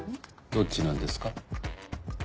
どっちなんですか？